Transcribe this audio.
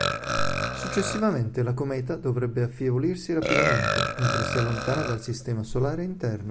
Successivamente la cometa dovrebbe affievolirsi rapidamente, mentre si allontana dal Sistema solare interno.